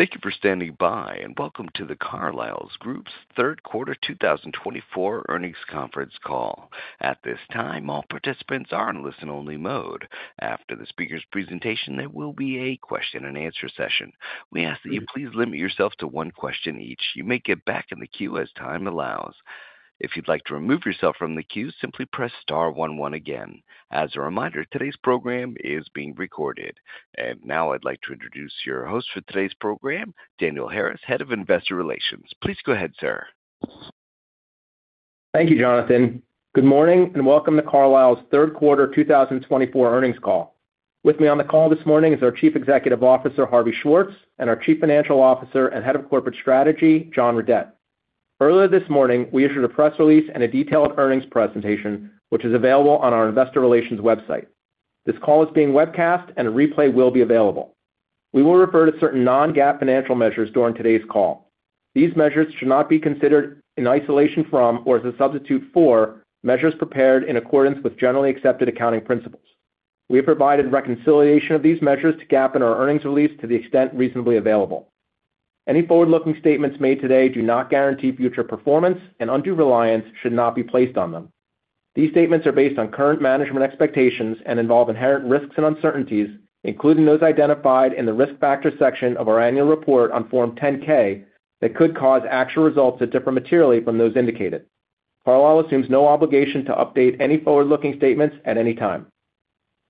Thank you for standing by, and welcome to The Carlyle Group's third quarter 2024 earnings conference call. At this time, all participants are in listen-only mode. After the speaker's presentation, there will be a question-and-answer session. We ask that you please limit yourself to one question each. You may get back in the queue as time allows. If you'd like to remove yourself from the queue, simply press star 11 again. As a reminder, today's program is being recorded. And now I'd like to introduce your host for today's program, Daniel Harris, Head of Investor Relations. Please go ahead, sir. Thank you, Jonathan. Good morning and welcome to Carlyle's third quarter 2024 earnings call. With me on the call this morning is our Chief Executive Officer, Harvey Schwartz, and our Chief Financial Officer and Head of Corporate Strategy, John Redett. Earlier this morning, we issued a press release and a detailed earnings presentation, which is available on our investor relations website. This call is being webcast, and a replay will be available. We will refer to certain non-GAAP financial measures during today's call. These measures should not be considered in isolation from or as a substitute for measures prepared in accordance with generally accepted accounting principles. We have provided reconciliation of these measures to GAAP in our earnings release to the extent reasonably available. Any forward-looking statements made today do not guarantee future performance, and undue reliance should not be placed on them. These statements are based on current management expectations and involve inherent risks and uncertainties, including those identified in the risk factor section of our annual report on Form 10-K, that could cause actual results that differ materially from those indicated. Carlyle assumes no obligation to update any forward-looking statements at any time.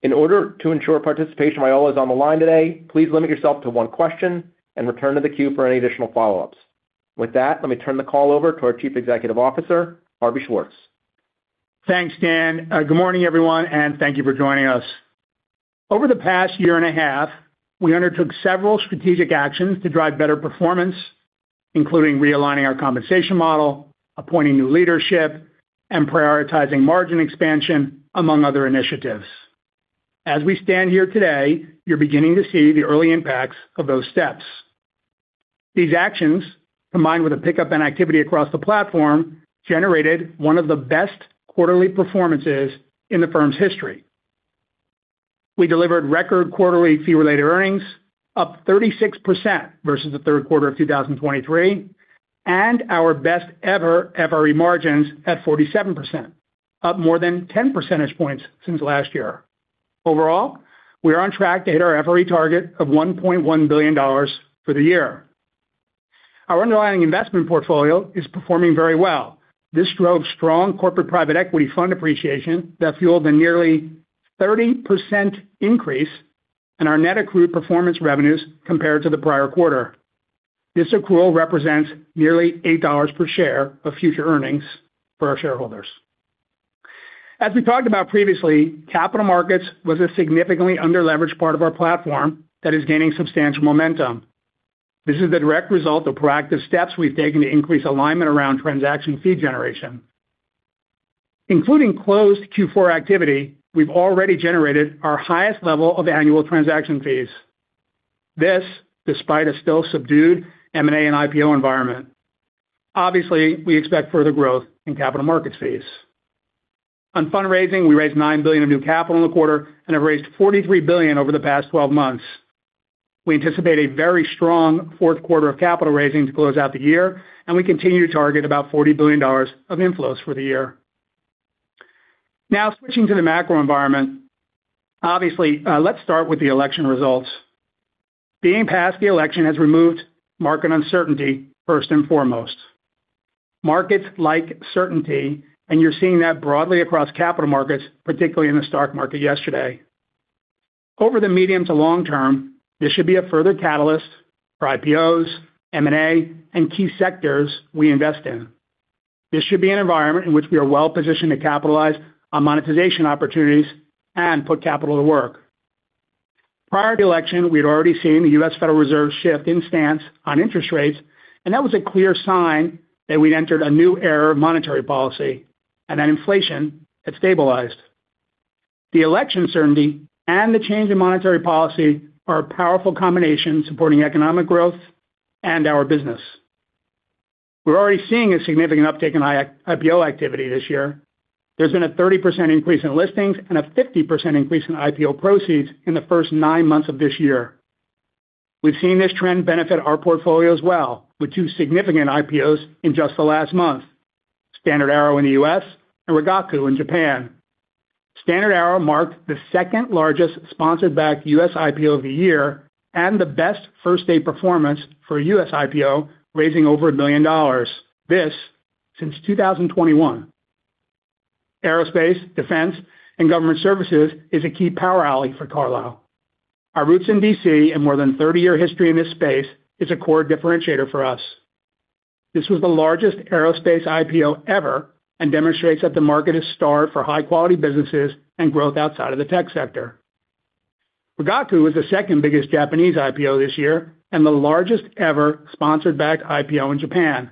In order to ensure participation of all those on the line today, please limit yourself to one question and return to the queue for any additional follow-ups. With that, let me turn the call over to our Chief Executive Officer, Harvey Schwartz. Thanks, Dan. Good morning, everyone, and thank you for joining us. Over the past year and a half, we undertook several strategic actions to drive better performance, including realigning our compensation model, appointing new leadership, and prioritizing margin expansion, among other initiatives. As we stand here today, you're beginning to see the early impacts of those steps. These actions, combined with a pickup in activity across the platform, generated one of the best quarterly performances in the firm's history. We delivered record quarterly fee-related earnings, up 36% versus the third quarter of 2023, and our best-ever FRE margins at 47%, up more than 10 percentage points since last year. Overall, we are on track to hit our FRE target of $1.1 billion for the year. Our underlying investment portfolio is performing very well. This drove strong corporate private equity fund appreciation that fueled a nearly 30% increase in our net accrued performance revenues compared to the prior quarter. This accrual represents nearly $8 per share of future earnings for our shareholders. As we talked about previously, capital markets was a significantly under-leveraged part of our platform that is gaining substantial momentum. This is the direct result of proactive steps we've taken to increase alignment around transaction fee generation. Including closed Q4 activity, we've already generated our highest level of annual transaction fees. This despite a still subdued M&A and IPO environment. Obviously, we expect further growth in capital markets fees. On fundraising, we raised $9 billion of new capital in the quarter and have raised $43 billion over the past 12 months. We anticipate a very strong fourth quarter of capital raising to close out the year, and we continue to target about $40 billion of inflows for the year. Now, switching to the macro environment, obviously, let's start with the election results. Being past the election has removed market uncertainty, first and foremost. Markets like certainty, and you're seeing that broadly across capital markets, particularly in the stock market yesterday. Over the medium to long term, this should be a further catalyst for IPOs, M&A, and key sectors we invest in. This should be an environment in which we are well positioned to capitalize on monetization opportunities and put capital to work. Prior to the election, we had already seen the U.S. Federal Reserve shift in stance on interest rates, and that was a clear sign that we'd entered a new era of monetary policy and that inflation had stabilized. The election certainty and the change in monetary policy are a powerful combination supporting economic growth and our business. We're already seeing a significant uptick in IPO activity this year. There's been a 30% increase in listings and a 50% increase in IPO proceeds in the first nine months of this year. We've seen this trend benefit our portfolio as well, with two significant IPOs in just the last month: StandardAero in the U.S. and Rigaku in Japan. StandardAero marked the second largest sponsor-backed U.S. IPO of the year and the best first-day performance for a U.S. IPO, raising over $1 billion, this since 2021. Aerospace, defense, and government services is a key power alley for Carlyle. Our roots in D.C. and more than 30-year history in this space is a core differentiator for us. This was the largest aerospace IPO ever and demonstrates that the market is starved for high-quality businesses and growth outside of the tech sector. Rigaku is the second biggest Japanese IPO this year and the largest ever sponsor-backed IPO in Japan.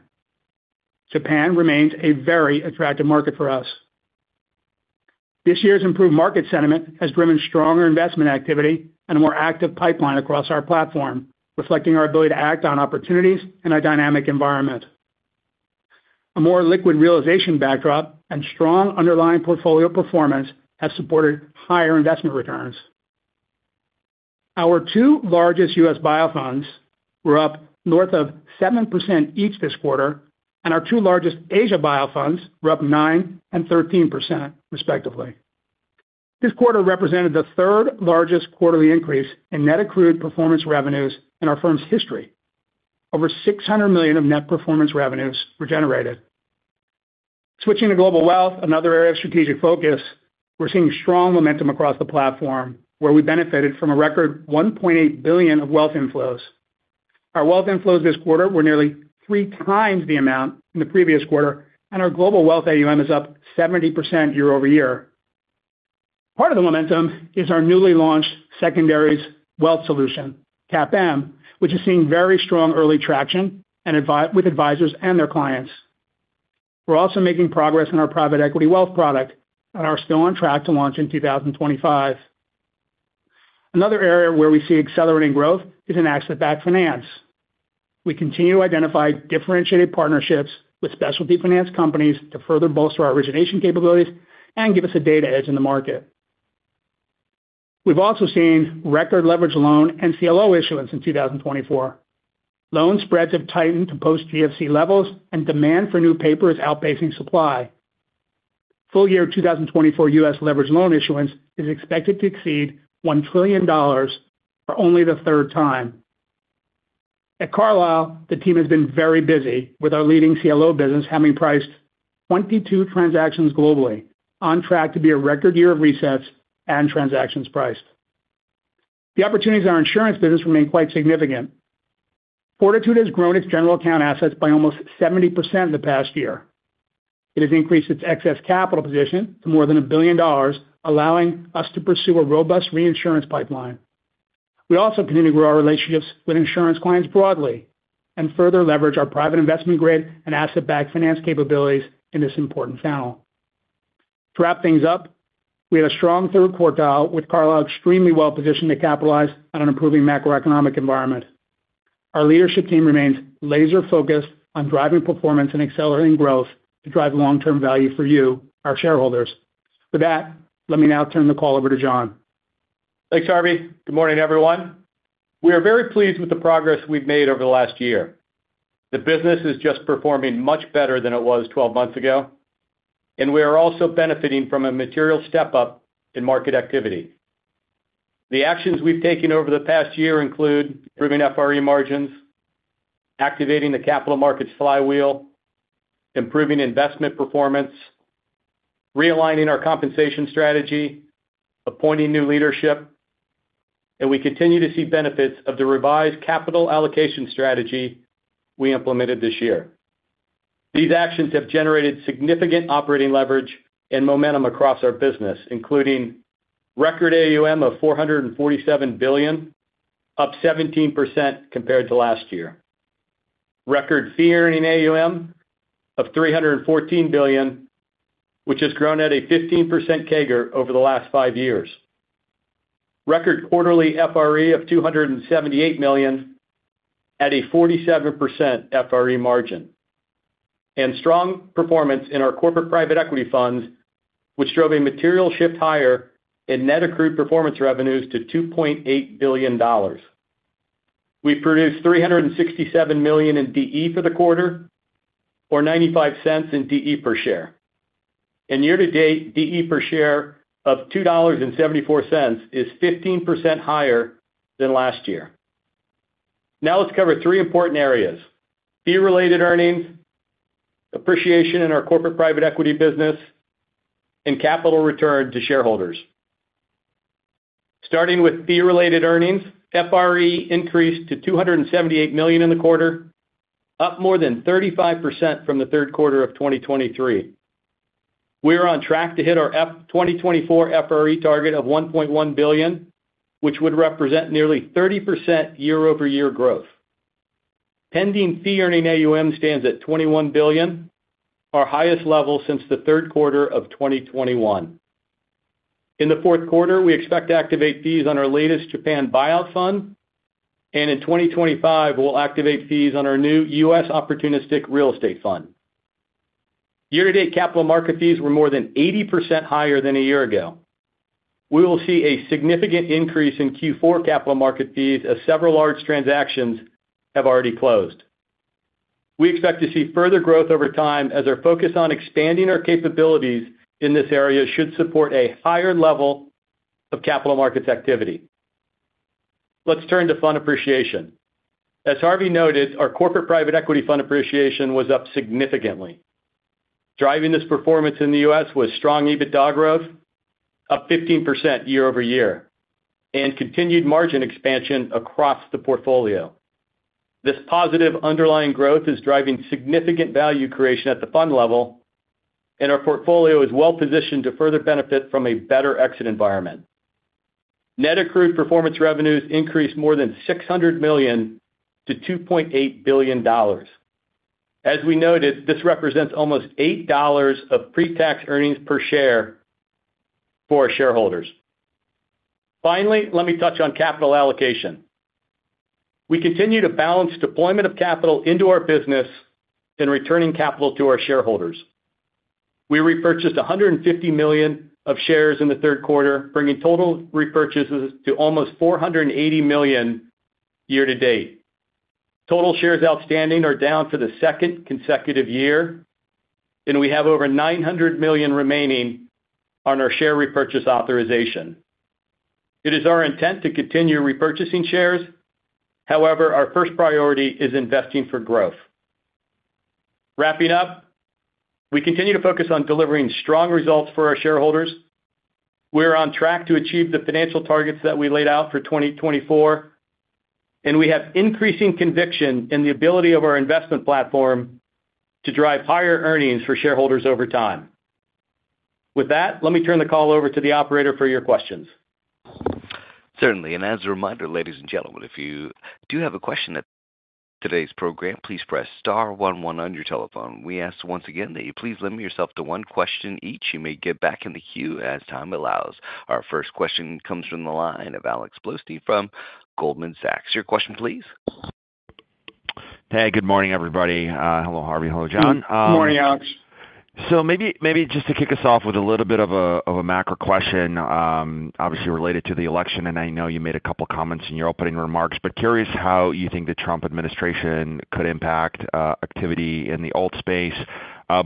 Japan remains a very attractive market for us. This year's improved market sentiment has driven stronger investment activity and a more active pipeline across our platform, reflecting our ability to act on opportunities in a dynamic environment. A more liquid realization backdrop and strong underlying portfolio performance have supported higher investment returns. Our two largest U.S. buyout funds were up north of 7% each this quarter, and our two largest Asia buyout funds were up 9% and 13%, respectively. This quarter represented the third largest quarterly increase in net accrued performance revenues in our firm's history. Over $600 million of net performance revenues were generated. Switching to global wealth, another area of strategic focus, we're seeing strong momentum across the platform, where we benefited from a record $1.8 billion of wealth inflows. Our wealth inflows this quarter were nearly three times the amount in the previous quarter, and our global wealth AUM is up 70% year-over-year. Part of the momentum is our newly launched secondary wealth solution, CAPM, which is seeing very strong early traction with advisors and their clients. We're also making progress in our private equity wealth product and are still on track to launch in 2025. Another area where we see accelerating growth is in asset-backed finance. We continue to identify differentiated partnerships with specialty finance companies to further bolster our origination capabilities and give us a data edge in the market. We've also seen record leveraged loan and CLO issuance in 2024. Loan spreads have tightened to post-GFC levels, and demand for new paper is outpacing supply. Full-year 2024 U.S. leveraged loan issuance is expected to exceed $1 trillion for only the third time. At Carlyle, the team has been very busy, with our leading CLO business having priced 22 transactions globally, on track to be a record year of resets and transactions priced. The opportunities in our insurance business remain quite significant. Fortitude has grown its general account assets by almost 70% in the past year. It has increased its excess capital position to more than $1 billion, allowing us to pursue a robust reinsurance pipeline. We also continue to grow our relationships with insurance clients broadly and further leverage our private investment grade and asset-backed finance capabilities in this important channel. To wrap things up, we had a strong third quarter, with Carlyle extremely well positioned to capitalize on an improving macroeconomic environment. Our leadership team remains laser-focused on driving performance and accelerating growth to drive long-term value for you, our shareholders. With that, let me now turn the call over to John. Thanks, Harvey. Good morning, everyone. We are very pleased with the progress we've made over the last year. The business is just performing much better than it was 12 months ago, and we are also benefiting from a material step-up in market activity. The actions we've taken over the past year include improving FRE margins, activating the capital markets flywheel, improving investment performance, realigning our compensation strategy, appointing new leadership, and we continue to see benefits of the revised capital allocation strategy we implemented this year. These actions have generated significant operating leverage and momentum across our business, including record AUM of $447 billion, up 17% compared to last year, record fee-earning AUM of $314 billion, which has grown at a 15% CAGR over the last five years, record quarterly FRE of $278 million at a 47% FRE margin, and strong performance in our corporate private equity funds, which drove a material shift higher in net accrued performance revenues to $2.8 billion. We've produced $367 million in DE for the quarter, or $0.95 in DE per share and year-to-date, DE per share of $2.74 is 15% higher than last year. Now let's cover three important areas: fee-related earnings, appreciation in our corporate private equity business, and capital return to shareholders. Starting with fee-related earnings, FRE increased to $278 million in the quarter, up more than 35% from the third quarter of 2023. We are on track to hit our 2024 FRE target of $1.1 billion, which would represent nearly 30% year-over-year growth. Pending fee-earning AUM stands at $21 billion, our highest level since the third quarter of 2021. In the fourth quarter, we expect to activate fees on our latest Japan buyout fund, and in 2025, we'll activate fees on our new U.S. Opportunistic Real Estate Fund. Year-to-date capital market fees were more than 80% higher than a year ago. We will see a significant increase in Q4 capital market fees as several large transactions have already closed. We expect to see further growth over time as our focus on expanding our capabilities in this area should support a higher level of capital markets activity. Let's turn to fund appreciation. As Harvey noted, our corporate private equity fund appreciation was up significantly. Driving this performance in the U.S. was strong EBITDA growth, up 15% year-over-year, and continued margin expansion across the portfolio. This positive underlying growth is driving significant value creation at the fund level, and our portfolio is well positioned to further benefit from a better exit environment. Net accrued performance revenues increased more than $600 million to $2.8 billion. As we noted, this represents almost $8 of pre-tax earnings per share for our shareholders. Finally, let me touch on capital allocation. We continue to balance deployment of capital into our business and returning capital to our shareholders. We repurchased 150 million of shares in the third quarter, bringing total repurchases to almost $480 million year-to-date. Total shares outstanding are down for the second consecutive year, and we have over $900 million remaining on our share repurchase authorization. It is our intent to continue repurchasing shares, however, our first priority is investing for growth. Wrapping up, we continue to focus on delivering strong results for our shareholders. We are on track to achieve the financial targets that we laid out for 2024, and we have increasing conviction in the ability of our investment platform to drive higher earnings for shareholders over time. With that, let me turn the call over to the operator for your questions. Certainly. And as a reminder, ladies and gentlemen, if you do have a question at today's program, please press star 11 on your telephone. We ask once again that you please limit yourself to one question each. You may get back in the queue as time allows. Our first question comes from the line of Alex Blostein from Goldman Sachs. Your question, please. Hey, good morning, everybody. Hello, Harvey. Hello, John. Good morning, Alex. So maybe just to kick us off with a little bit of a macro question, obviously related to the election, and I know you made a couple of comments in your opening remarks, but curious how you think the Trump administration could impact activity in the PE space,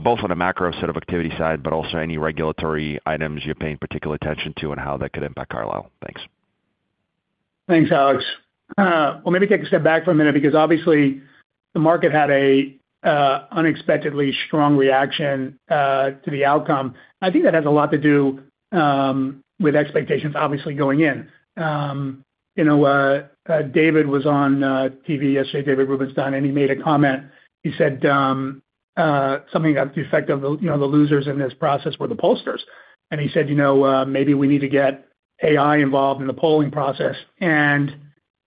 both on a macro level of activity side, but also any regulatory items you're paying particular attention to and how that could impact Carlyle. Thanks. Thanks, Alex. Well, maybe take a step back for a minute because obviously the market had an unexpectedly strong reaction to the outcome. I think that has a lot to do with expectations, obviously going in. David was on TV yesterday, David Rubenstein, and he made a comment. He said something about the effect of the losers in this process were the pollsters. And he said, "Maybe we need to get AI involved in the polling process." And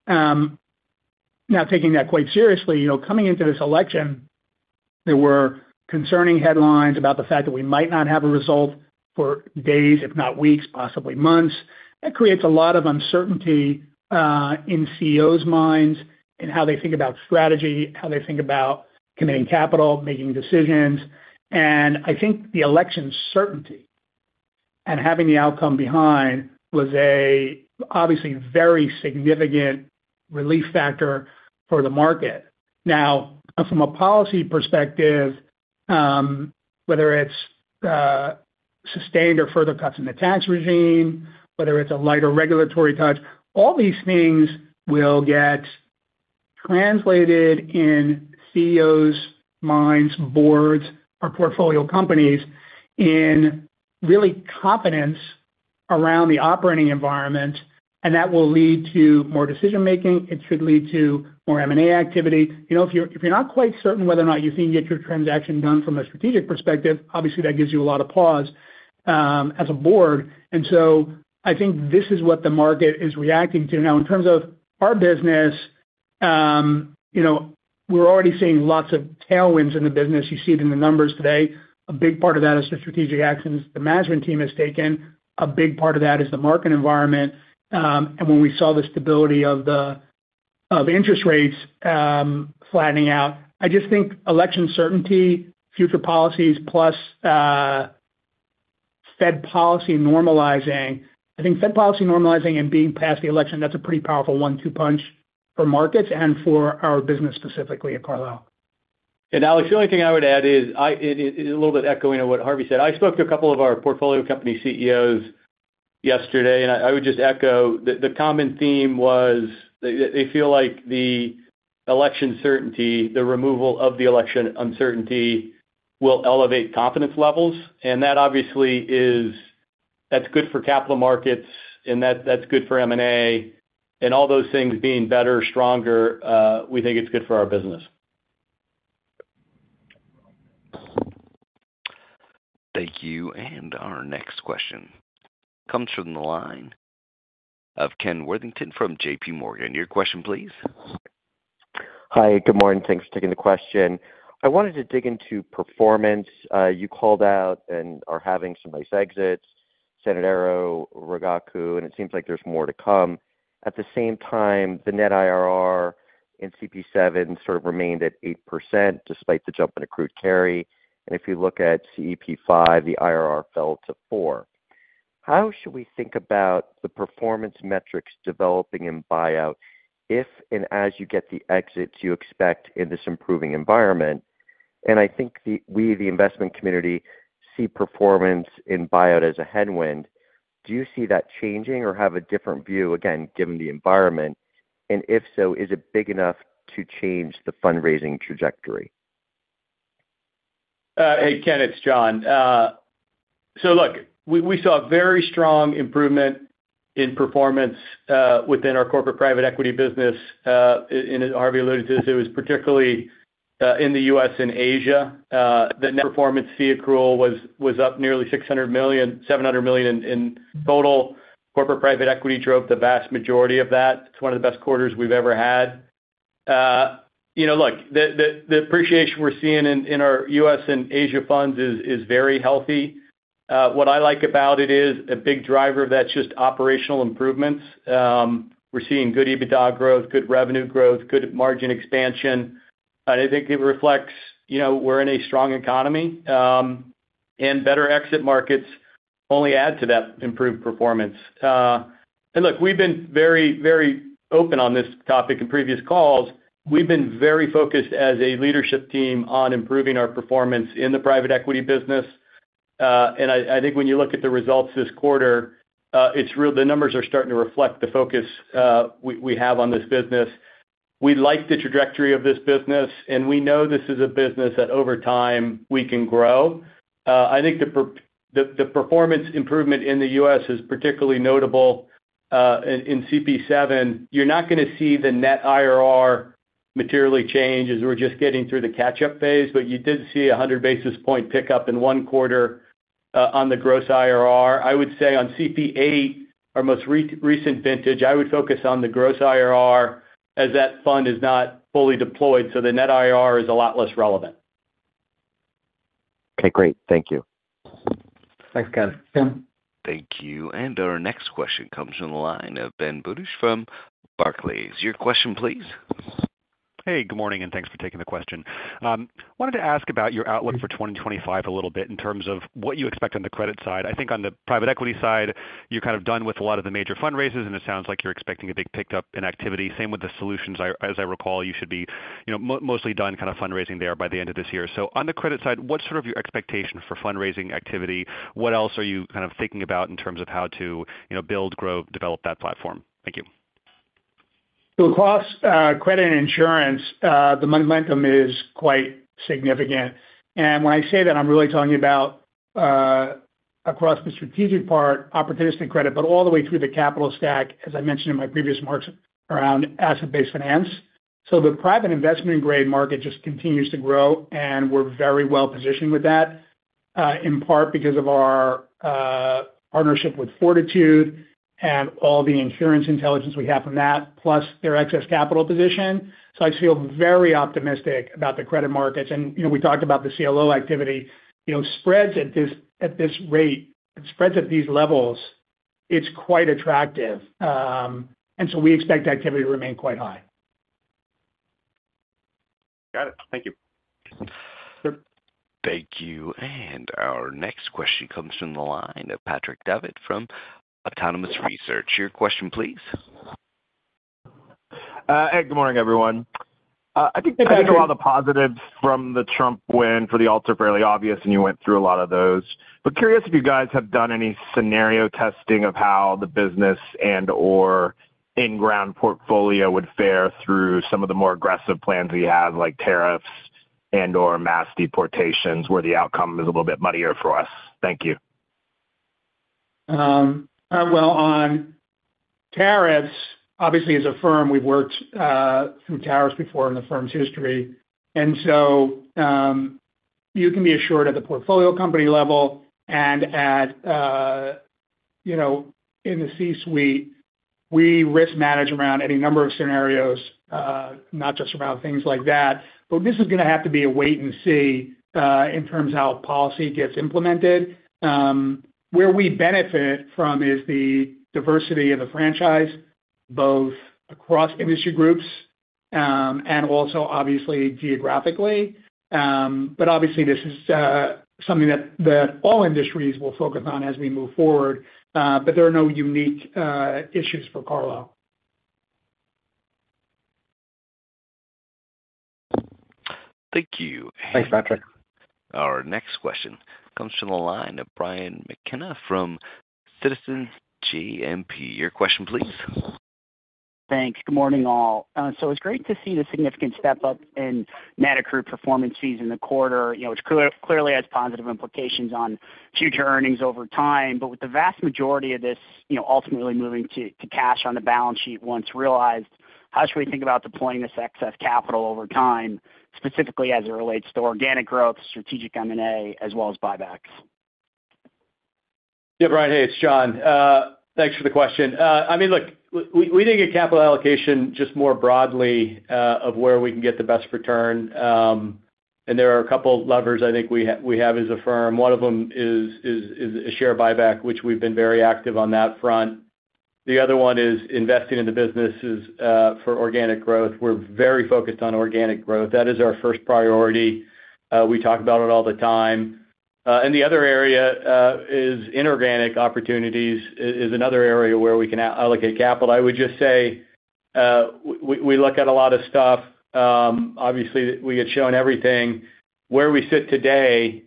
now taking that quite seriously, coming into this election, there were concerning headlines about the fact that we might not have a result for days, if not weeks, possibly months. That creates a lot of uncertainty in CEOs' minds and how they think about strategy, how they think about committing capital, making decisions. And I think the election certainty and having the outcome behind us was obviously a very significant relief factor for the market. Now, from a policy perspective, whether it's sustained or further cuts in the tax regime, whether it's a lighter regulatory touch, all these things will get translated into CEOs' minds, boards, or portfolio companies into real confidence around the operating environment, and that will lead to more decision-making. It should lead to more M&A activity. If you're not quite certain whether or not you're getting your transaction done from a strategic perspective, obviously that gives you a lot of pause as a board. And so I think this is what the market is reacting to. Now, in terms of our business, we're already seeing lots of tailwinds in the business. You see it in the numbers today. A big part of that is the strategic actions the management team has taken. A big part of that is the market environment. When we saw the stability of interest rates flattening out, I just think election certainty, future policies, plus Fed policy normalizing. I think Fed policy normalizing and being past the election, that's a pretty powerful one-two punch for markets and for our business specifically at Carlyle. Alex, the only thing I would add is a little bit echoing what Harvey said. I spoke to a couple of our portfolio company CEOs yesterday, and I would just echo the common theme was they feel like the election certainty, the removal of the election uncertainty will elevate confidence levels. And that obviously is, that's good for capital markets, and that's good for M&A. And all those things being better, stronger, we think it's good for our business. Thank you. And our next question comes from the line of Ken Worthington from J.P. Morgan. Your question, please. Hi, good morning. Thanks for taking the question. I wanted to dig into performance. You called out and are having some nice exits, StandardAero, Rigaku, and it seems like there's more to come. At the same time, the net IRR in CP7 sort of remained at 8% despite the jump in accrued carry, and if you look at CEP5, the IRR fell to 4%. How should we think about the performance metrics developing in buyout if and as you get the exits you expect in this improving environment, and I think we, the investment community, see performance in buyout as a headwind? Do you see that changing or have a different view, again, given the environment, and if so, is it big enough to change the fundraising trajectory? Hey, Ken, it's John. So look, we saw a very strong improvement in performance within our corporate private equity business. And Harvey alluded to this, it was particularly in the U.S. and Asia. The performance fee accrual was up nearly $700 million in total. Corporate private equity drove the vast majority of that. It's one of the best quarters we've ever had. Look, the appreciation we're seeing in our U.S. and Asia funds is very healthy. What I like about it is a big driver of that's just operational improvements. We're seeing good EBITDA growth, good revenue growth, good margin expansion. And I think it reflects we're in a strong economy, and better exit markets only add to that improved performance. And look, we've been very, very open on this topic in previous calls. We've been very focused as a leadership team on improving our performance in the private equity business. And I think when you look at the results this quarter, the numbers are starting to reflect the focus we have on this business. We like the trajectory of this business, and we know this is a business that over time we can grow. I think the performance improvement in the U.S. is particularly notable in CP7. You're not going to see the net IRR materially change as we're just getting through the catch-up phase, but you did see a 100 basis points pickup in one quarter on the gross IRR. I would say on CP8, our most recent vintage, I would focus on the gross IRR as that fund is not fully deployed, so the net IRR is a lot less relevant. Okay, great. Thank you. Thanks, Ken. Thank you. And our next question comes from the line of Ben Budish from Barclays. Your question, please. Hey, good morning, and thanks for taking the question. I wanted to ask about your outlook for 2025 a little bit in terms of what you expect on the credit side. I think on the private equity side, you're kind of done with a lot of the major fundraisers, and it sounds like you're expecting a big pickup in activity. Same with the solutions. As I recall, you should be mostly done kind of fundraising there by the end of this year. So on the credit side, what's sort of your expectation for fundraising activity? What else are you kind of thinking about in terms of how to build, grow, develop that platform? Thank you. So across credit and insurance, the momentum is quite significant. And when I say that, I'm really talking about across the strategic part, opportunistic credit, but all the way through the capital stack, as I mentioned in my previous marks, around asset-based finance. So the private investment-grade market just continues to grow, and we're very well positioned with that, in part because of our partnership with Fortitude and all the insurance intelligence we have from that, plus their excess capital position. So I feel very optimistic about the credit markets. And we talked about the CLO activity. Spreads at this rate, spreads at these levels, it's quite attractive. And so we expect activity to remain quite high. Got it. Thank you. Thank you. And our next question comes from the line of Patrick Davitt from Autonomous Research. Your question, please. Hey, good morning, everyone. I think after all the positives from the Trump win for the alts are fairly obvious, and you went through a lot of those. But curious if you guys have done any scenario testing of how the business and/or in-ground portfolio would fare through some of the more aggressive plans we had, like tariffs and/or mass deportations, where the outcome is a little bit muddier for us? Thank you. On tariffs, obviously, as a firm, we've worked through tariffs before in the firm's history. And so you can be assured at the portfolio company level and in the C-suite, we risk manage around any number of scenarios, not just around things like that. But this is going to have to be a wait-and-see in terms of how policy gets implemented. Where we benefit from is the diversity of the franchise, both across industry groups and also, obviously, geographically. But obviously, this is something that all industries will focus on as we move forward, but there are no unique issues for Carlyle. Thank you. Thanks, Patrick. Our next question comes from the line of Brian McKenna from Citizens JMP. Your question, please. Thanks. Good morning, all. So it's great to see the significant step-up in net accrued performance fees in the quarter, which clearly has positive implications on future earnings over time. But with the vast majority of this ultimately moving to cash on the balance sheet once realized, how should we think about deploying this excess capital over time, specifically as it relates to organic growth, strategic M&A, as well as buybacks? Yeah, Brian, hey, it's John. Thanks for the question. I mean, look, we think of capital allocation just more broadly of where we can get the best return. And there are a couple of levers I think we have as a firm. One of them is a share buyback, which we've been very active on that front. The other one is investing in the businesses for organic growth. We're very focused on organic growth. That is our first priority. We talk about it all the time. And the other area is inorganic opportunities is another area where we can allocate capital. I would just say we look at a lot of stuff. Obviously, we had shown everything. Where we sit today,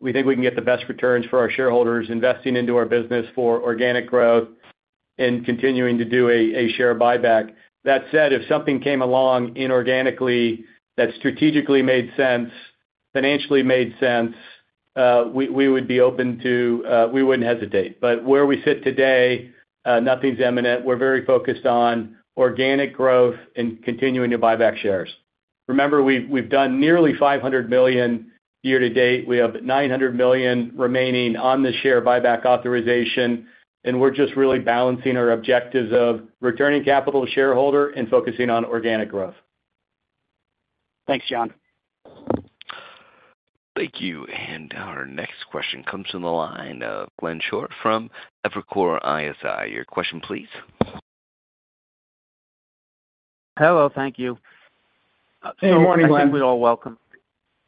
we think we can get the best returns for our shareholders investing into our business for organic growth and continuing to do a share buyback. That said, if something came along inorganically that strategically made sense, financially made sense, we would be open to we wouldn't hesitate. But where we sit today, nothing's imminent. We're very focused on organic growth and continuing to buy back shares. Remember, we've done nearly $500 million year to date. We have $900 million remaining on the share buyback authorization, and we're just really balancing our objectives of returning capital to shareholder and focusing on organic growth. Thanks, John. Thank you. Our next question comes from the line of Glenn Schorr from Evercore ISI. Your question, please. Hello, thank you. Hey, Glenn. I think we'd all welcome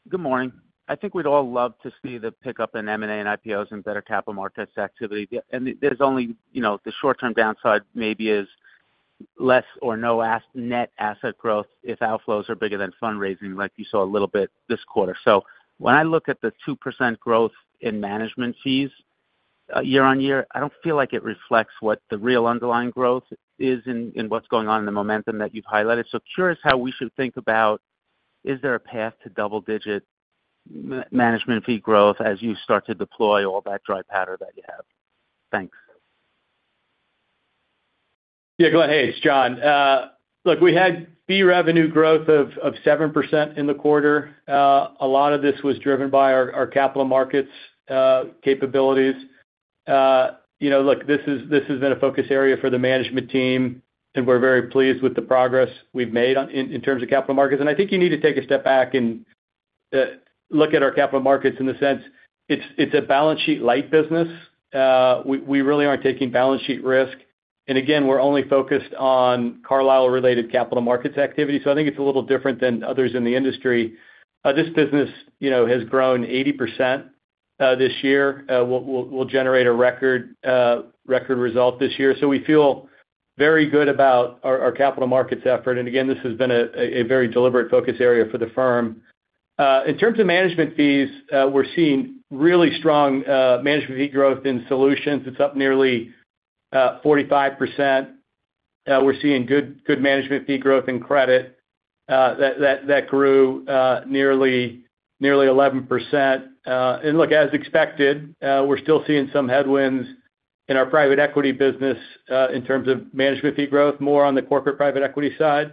good morning. I think we'd all love to see the pickup in M&A and IPOs and better capital markets activity. There's only the short-term downside maybe is less or no net asset growth if outflows are bigger than fundraising, like you saw a little bit this quarter. When I look at the 2% growth in management fees year-on-year, I don't feel like it reflects what the real underlying growth is and what's going on in the momentum that you've highlighted. Curious how we should think about, is there a path to double-digit management fee growth as you start to deploy all that dry powder that you have? Thanks. Yeah, Glenn, hey, it's John. Look, we had fee revenue growth of 7% in the quarter. A lot of this was driven by our capital markets capabilities. Look, this has been a focus area for the management team, and we're very pleased with the progress we've made in terms of capital markets, and I think you need to take a step back and look at our capital markets in the sense it's a balance sheet-light business. We really aren't taking balance sheet risk, and again, we're only focused on Carlyle-related capital markets activity, so I think it's a little different than others in the industry. This business has grown 80% this year. We'll generate a record result this year, so we feel very good about our capital markets effort, and again, this has been a very deliberate focus area for the firm. In terms of management fees, we're seeing really strong management fee growth in solutions. It's up nearly 45%. We're seeing good management fee growth in credit that grew nearly 11%. And look, as expected, we're still seeing some headwinds in our private equity business in terms of management fee growth, more on the corporate private equity side.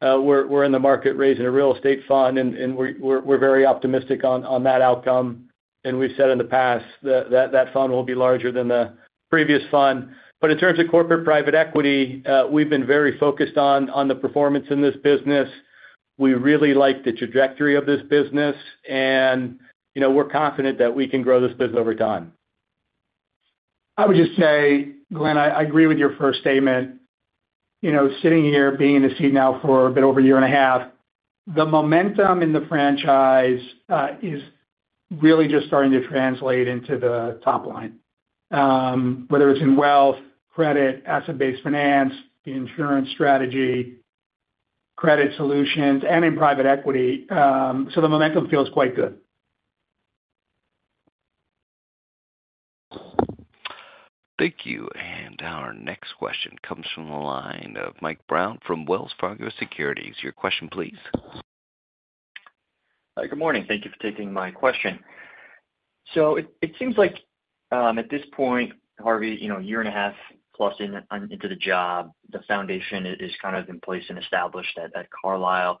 We're in the market raising a real estate fund, and we're very optimistic on that outcome. And we've said in the past that that fund will be larger than the previous fund. But in terms of corporate private equity, we've been very focused on the performance in this business. We really like the trajectory of this business, and we're confident that we can grow this business over time. I would just say, Glenn, I agree with your first statement. Sitting here, being in the seat now for a bit over a year and a half, the momentum in the franchise is really just starting to translate into the top line, whether it's in wealth, credit, asset-based finance, the insurance strategy, credit solutions, and in private equity, so the momentum feels quite good. Thank you. And our next question comes from the line of Mike Brown from Wells Fargo Securities. Your question, please. Good morning. Thank you for taking my question. So it seems like at this point, Harvey, a year and a half plus into the job, the foundation is kind of in place and established at Carlyle.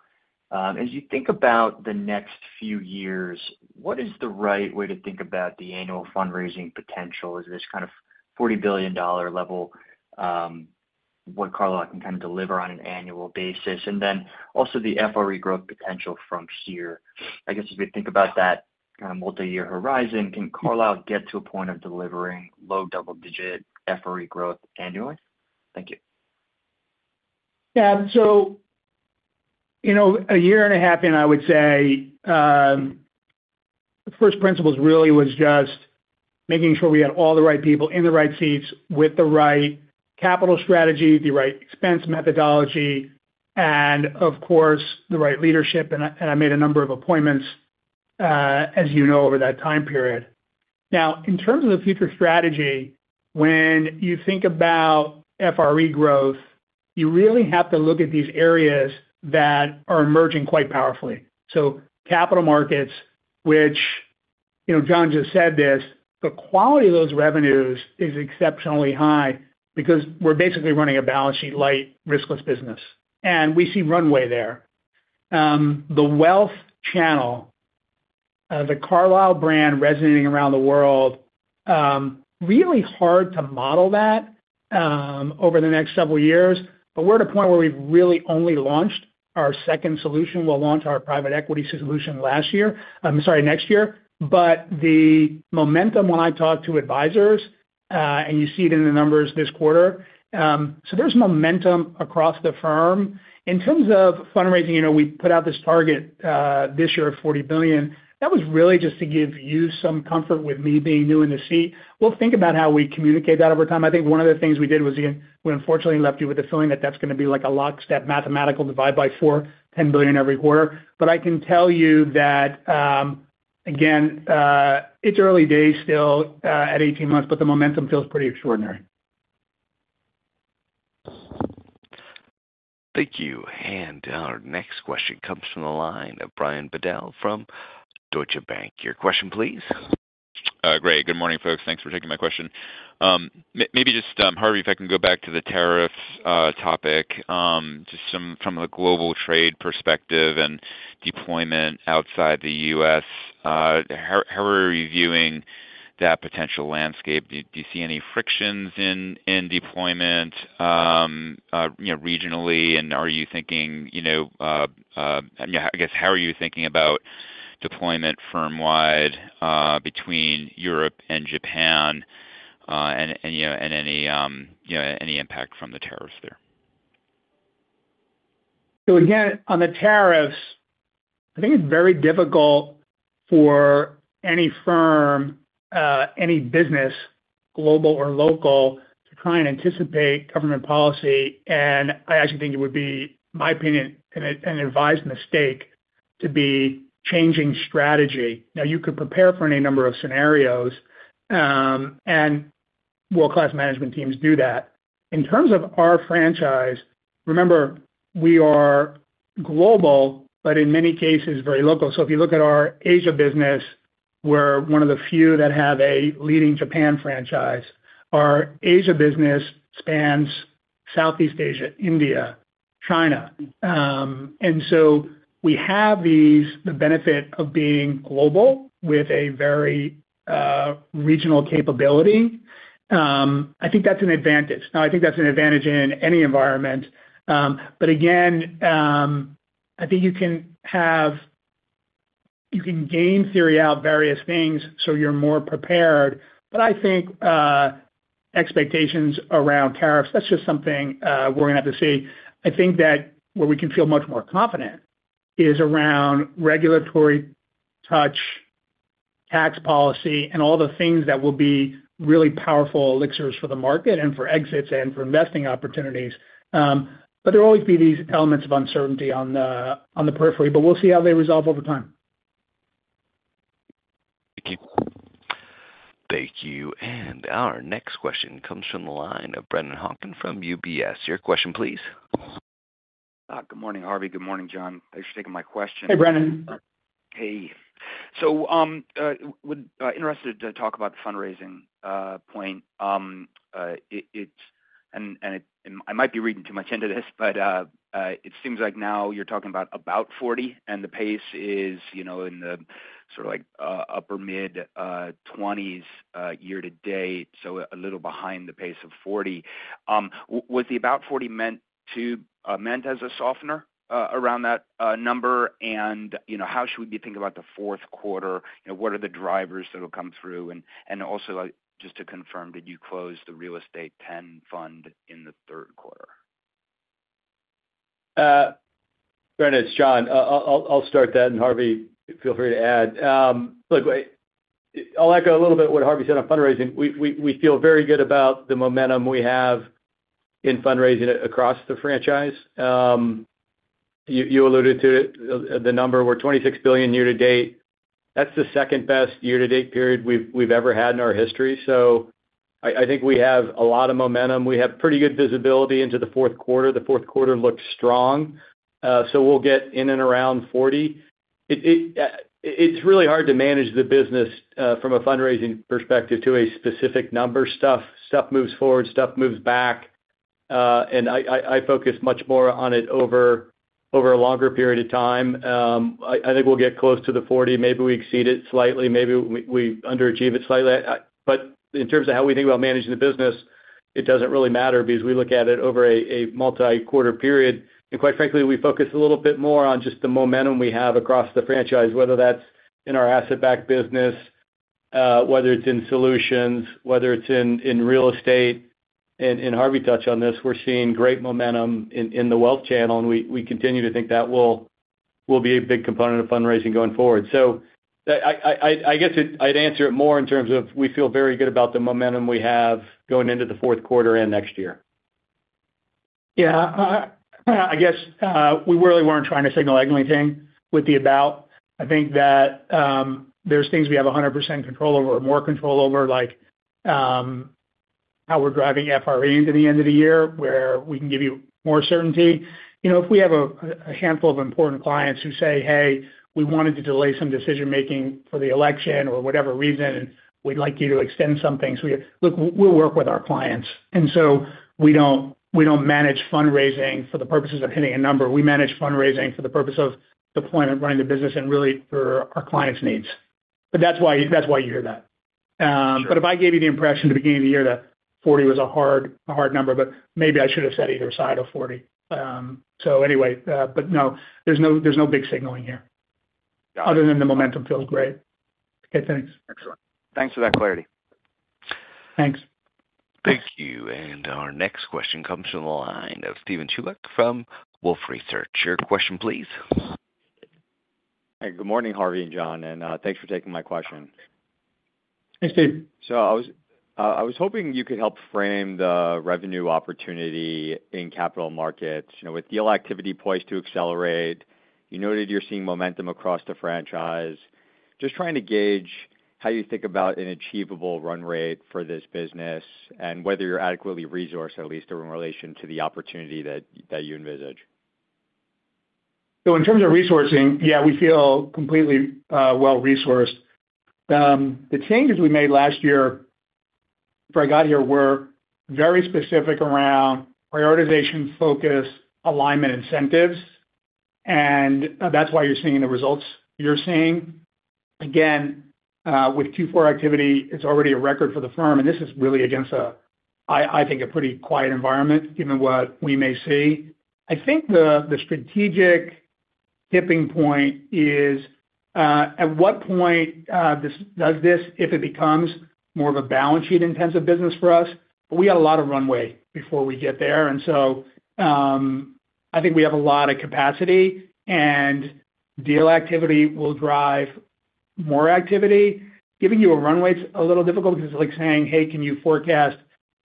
As you think about the next few years, what is the right way to think about the annual fundraising potential? Is this kind of $40 billion level, what Carlyle can kind of deliver on an annual basis? And then also the FRE growth potential from here. I guess as we think about that kind of multi-year horizon, can Carlyle get to a point of delivering low double-digit FRE growth annually? Thank yo Yeah. So a year and a half in, I would say, the first principles really was just making sure we had all the right people in the right seats with the right capital strategy, the right expense methodology, and of course, the right leadership. And I made a number of appointments, as you know, over that time period. Now, in terms of the future strategy, when you think about FRE growth, you really have to look at these areas that are emerging quite powerfully. So capital markets, which John just said this, the quality of those revenues is exceptionally high because we're basically running a balance sheet-light, riskless business. And we see runway there. The wealth channel, the Carlyle brand resonating around the world, really hard to model that over the next several years. But we're at a point where we've really only launched our second solution. We'll launch our private equity solution last year, sorry, next year. But the momentum, when I talk to advisors, and you see it in the numbers this quarter, so there's momentum across the firm. In terms of fundraising, we put out this target this year of $40 billion. That was really just to give you some comfort with me being new in the seat. We'll think about how we communicate that over time. I think one of the things we did was, again, we unfortunately left you with the feeling that that's going to be like a lockstep mathematical divide by four, $10 billion every quarter. But I can tell you that, again, it's early days still at 18 months, but the momentum feels pretty extraordinary. Thank you. And our next question comes from the line of Brian Bedell from Deutsche Bank. Your question, please. Great. Good morning, folks. Thanks for taking my question. Maybe just, Harvey, if I can go back to the tariffs topic, just from a global trade perspective and deployment outside the U.S., how are you viewing that potential landscape? Do you see any frictions in deployment regionally? And are you thinking, I guess, how are you thinking about deployment firm-wide between Europe and Japan and any impact from the tariffs there? So again, on the tariffs, I think it's very difficult for any firm, any business, global or local, to try and anticipate government policy. And I actually think it would be, in my opinion, an ill-advised mistake to be changing strategy. Now, you could prepare for any number of scenarios, and world-class management teams do that. In terms of our franchise, remember, we are global, but in many cases, very local. So if you look at our Asia business, we're one of the few that have a leading Japan franchise. Our Asia business spans Southeast Asia, India, China. And so we have the benefit of being global with a very regional capability. I think that's an advantage. Now, I think that's an advantage in any environment. But again, I think you can game out various things so you're more prepared. But I think expectations around tariffs, that's just something we're going to have to see. I think that where we can feel much more confident is around regulatory touch, tax policy, and all the things that will be really powerful elixirs for the market and for exits and for investing opportunities. But there will always be these elements of uncertainty on the periphery, but we'll see how they resolve over time. Thank you. Thank you. And our next question comes from the line of Brennan Hawken from UBS. Your question, please. Good morning, Harvey. Good morning, John. Thanks for taking my question. Hey, Brendan. Hey. So interested to talk about the fundraising point. And I might be reading too much into this, but it seems like now you're talking about $40, and the pace is in the sort of upper mid-20s year to date, so a little behind the pace of $40. Was the $40 meant as a softener around that number? And how should we be thinking about the fourth quarter? What are the drivers that will come through? And also, just to confirm, did you close the Real Estate 10 fund in the third quarter? Brennan, it's John. I'll start that, and Harvey, feel free to add. Look, I'll echo a little bit what Harvey said on fundraising. You alluded to the number. We're $26 billion year to date. That's the second-best year-to-date period we've ever had in our history. So I think we have a lot of momentum. We have pretty good visibility into the fourth quarter. The fourth quarter looks strong. So we'll get in and around $40. It's really hard to manage the business from a fundraising perspective to a specific number. Stuff moves forward, stuff moves back. And I focus much more on it over a longer period of time. I think we'll get close to the $40. Maybe we exceed it slightly. Maybe we underachieve it slightly. But in terms of how we think about managing the business, it doesn't really matter because we look at it over a multi-quarter period. And quite frankly, we focus a little bit more on just the momentum we have across the franchise, whether that's in our asset-backed business, whether it's in solutions, whether it's in real estate. And Harvey touched on this. We're seeing great momentum in the wealth channel, and we continue to think that will be a big component of fundraising going forward. So I guess I'd answer it more in terms of we feel very good about the momentum we have going into the fourth quarter and next year. Yeah. I guess we really weren't trying to signal anything with the about. I think that there's things we have 100% control over or more control over, like how we're driving FRE into the end of the year, where we can give you more certainty. If we have a handful of important clients who say, "Hey, we wanted to delay some decision-making for the election or whatever reason, and we'd like you to extend something." So we'll work with our clients. And so we don't manage fundraising for the purposes of hitting a number. We manage fundraising for the purpose of deployment, running the business, and really for our clients' needs. But that's why you hear that. But if I gave you the impression at the beginning of the year that $40 was a hard number, but maybe I should have said either side of $40. So anyway, but no, there's no big signaling here other than the momentum feels great. Okay. Thanks. Excellent. Thanks for that clarity. Thanks. Thank you. And our next question comes from the line of Steven Chubak from Wolfe Research. Your question, please. Hey, good morning, Harvey and John, and thanks for taking my question. Thanks, Steve. I was hoping you could help frame the revenue opportunity in capital markets with deal activity poised to accelerate. You noted you're seeing momentum across the franchise. Just trying to gauge how you think about an achievable run rate for this business and whether you're adequately resourced, at least in relation to the opportunity that you envisage. So in terms of resourcing, yeah, we feel completely well-resourced. The changes we made last year before I got here were very specific around prioritization, focus, alignment, incentives. And that's why you're seeing the results you're seeing. Again, with Q4 activity, it's already a record for the firm. And this is really against, I think, a pretty quiet environment, given what we may see. I think the strategic tipping point is at what point does this, if it becomes more of a balance sheet-intensive business for us. But we have a lot of runway before we get there. And so I think we have a lot of capacity, and deal activity will drive more activity. Giving you a runway is a little difficult because it's like saying, "Hey, can you forecast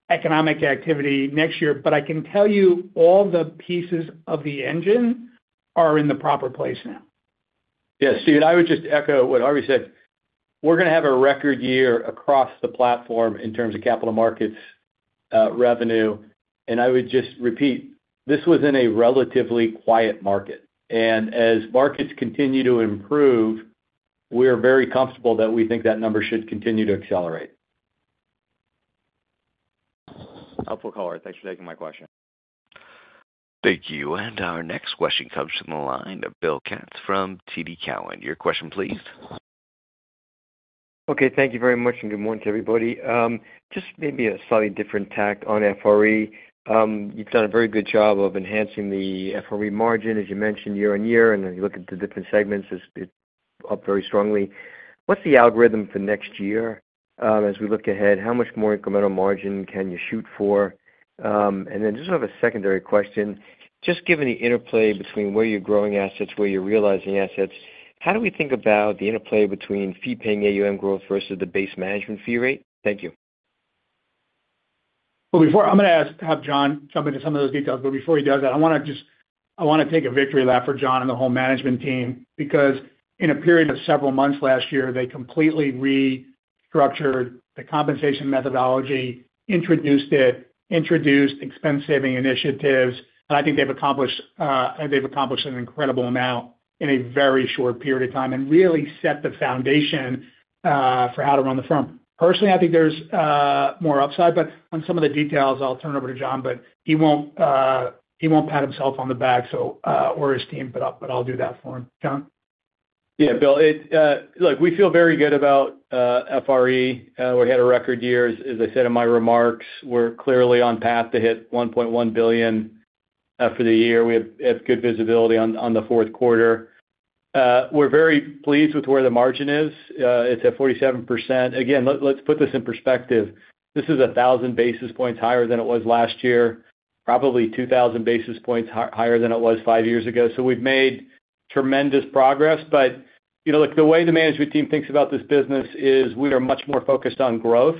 economic activity next year?" But I can tell you all the pieces of the engine are in the proper place now. Yeah. Steven, I would just echo what Harvey said. We're going to have a record year across the platform in terms of capital markets revenue, and I would just repeat, this was in a relatively quiet market, and as markets continue to improve, we are very comfortable that we think that number should continue to accelerate. Helpful, caller. Thanks for taking my question. Thank you. And our next question comes from the line of Bill Katz from TD Cowen. Your question, please. Okay. Thank you very much, and good morning to everybody. Just maybe a slightly different tack on FRE. You've done a very good job of enhancing the FRE margin, as you mentioned, year-on-year. And then you look at the different segments, it's up very strongly. What's the algorithm for next year as we look ahead? How much more incremental margin can you shoot for? And then just sort of a secondary question. Just given the interplay between where you're growing assets, where you're realizing assets, how do we think about the interplay between fee-paying AUM growth versus the base management fee rate? Thank you. Well, I'm going to have John jump into some of those details. But before he does that, I want to just take a victory lap for John and the whole management team because in a period of several months last year, they completely restructured the compensation methodology, introduced it, introduced expense-saving initiatives. And I think they've accomplished an incredible amount in a very short period of time and really set the foundation for how to run the firm. Personally, I think there's more upside. But on some of the details, I'll turn it over to John. But he won't pat himself on the back or his team, but I'll do that for him. John? Yeah, Bill. Look, we feel very good about FRE. We had a record year. As I said in my remarks, we're clearly on path to hit $1.1 billion for the year. We have good visibility on the fourth quarter. We're very pleased with where the margin is. It's at 47%. Again, let's put this in perspective. This is 1,000 basis points higher than it was last year, probably 2,000 basis points higher than it was five years ago. So we've made tremendous progress. But look, the way the management team thinks about this business is we are much more focused on growth.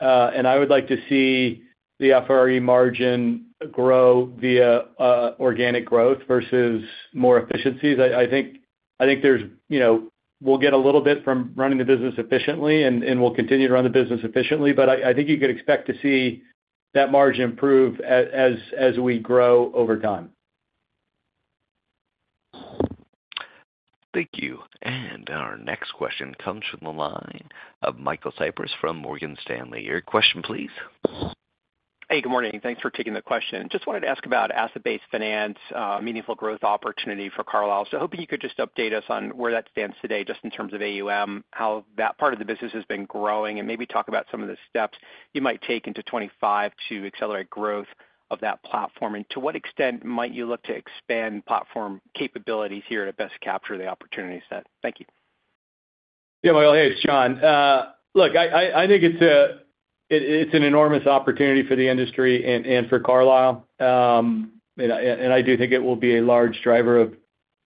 And I would like to see the FRE margin grow via organic growth versus more efficiencies. I think we'll get a little bit from running the business efficiently, and we'll continue to run the business efficiently. But I think you could expect to see that margin improve as we grow over time. Thank you. And our next question comes from the line of Michael Cyprys from Morgan Stanley. Your question, please. Hey, good morning. Thanks for taking the question. Just wanted to ask about asset-based finance, meaningful growth opportunity for Carlyle. So hoping you could just update us on where that stands today just in terms of AUM, how that part of the business has been growing, and maybe talk about some of the steps you might take into 2025 to accelerate growth of that platform. And to what extent might you look to expand platform capabilities here to best capture the opportunity set? Thank you. Yeah, Michael, hey, it's John. Look, I think it's an enormous opportunity for the industry and for Carlyle. And I do think it will be a large driver of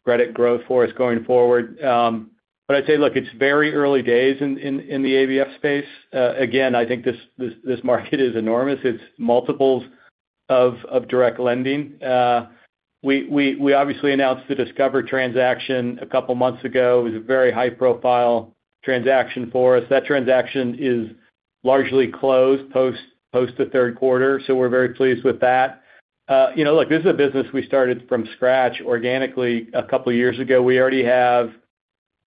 credit growth for us going forward. But I'd say, look, it's very early days in the ABF space. Again, I think this market is enormous. It's multiples of direct lending. We obviously announced the Discover transaction a couple of months ago. It was a very high-profile transaction for us. That transaction is largely closed post the third quarter. So we're very pleased with that. Look, this is a business we started from scratch organically a couple of years ago. We already have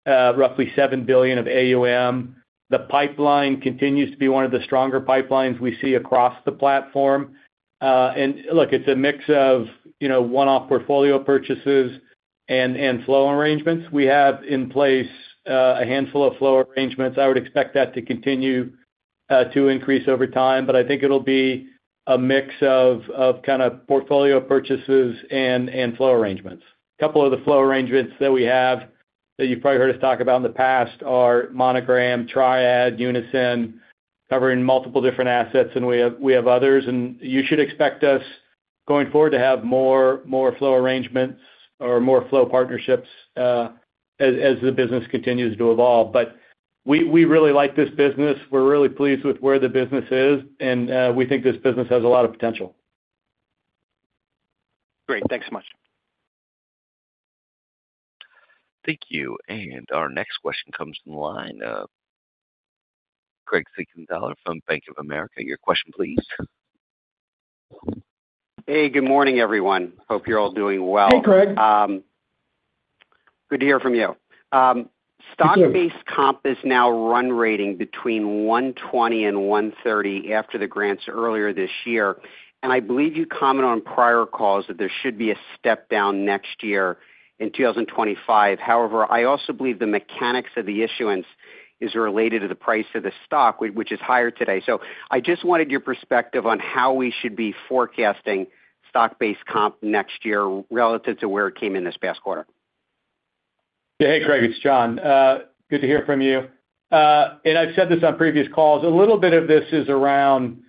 roughly $7 billion of AUM. The pipeline continues to be one of the stronger pipelines we see across the platform. And look, it's a mix of one-off portfolio purchases and flow arrangements. We have in place a handful of flow arrangements. I would expect that to continue to increase over time. But I think it'll be a mix of kind of portfolio purchases and flow arrangements. A couple of the flow arrangements that we have that you've probably heard us talk about in the past are Monogram, Triad, Unison, covering multiple different assets. And we have others. And you should expect us going forward to have more flow arrangements or more flow partnerships as the business continues to evolve. But we really like this business. We're really pleased with where the business is. And we think this business has a lot of potential. Great. Thanks so much. Thank you. And our next question comes from the line of Craig Siegenthaler from Bank of America. Your question, please. Hey, good morning, everyone. Hope you're all doing well. Hey, Craig. Good to hear from you. Stock-based comp is now run rate between $120 and $130 after the grants earlier this year, and I believe you commented on prior calls that there should be a step down next year in 2025. However, I also believe the mechanics of the issuance is related to the price of the stock, which is higher today, so I just wanted your perspective on how we should be forecasting stock-based comp next year relative to where it came in this past quarter. Yeah. Hey, Craig. It's John. Good to hear from you. And I've said this on previous calls. A little bit of this is around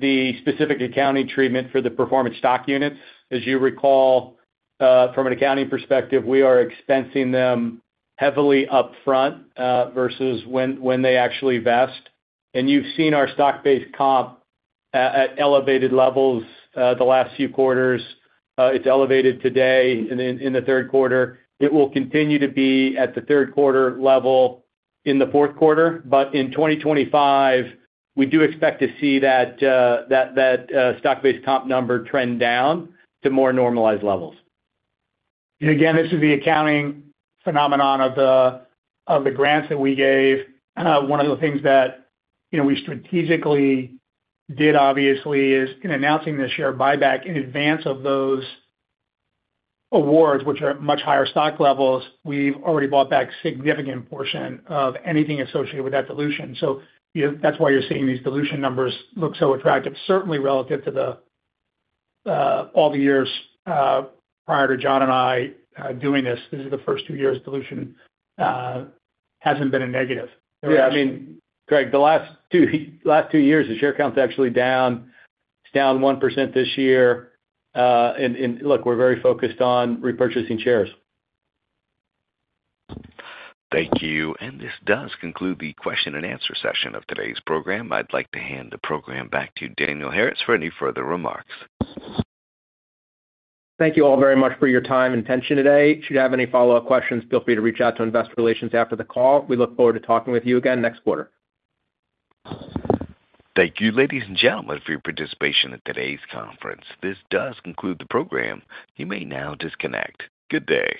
the specific accounting treatment for the performance stock units. As you recall, from an accounting perspective, we are expensing them heavily upfront versus when they actually vest. And you've seen our stock-based comp at elevated levels the last few quarters. It's elevated today in the third quarter. It will continue to be at the third-quarter level in the fourth quarter. But in 2025, we do expect to see that stock-based comp number trend down to more normalized levels. And again, this is the accounting phenomenon of the grants that we gave. One of the things that we strategically did, obviously, is in announcing this share buyback in advance of those awards, which are at much higher stock levels, we've already bought back a significant portion of anything associated with that dilution. So that's why you're seeing these dilution numbers look so attractive, certainly relative to all the years prior to John and I doing this. This is the first two years dilution hasn't been a negative. Yeah. I mean, Craig, the last two years, the share count's actually down. It's down 1% this year, and look, we're very focused on repurchasing shares. Thank you. And this does conclude the question-and-answer session of today's program. I'd like to hand the program back to Daniel Harris for any further remarks. Thank you all very much for your time and attention today. Should you have any follow-up questions, feel free to reach out to Investor Relations after the call. We look forward to talking with you again next quarter. Thank you, ladies and gentlemen, for your participation in today's conference. This does conclude the program. You may now disconnect. Good day.